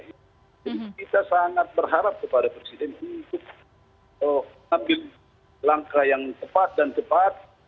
jadi kita sangat berharap kepada presiden untuk mengambil langkah yang tepat dan cepat